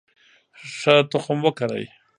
ښه تخم وکرئ.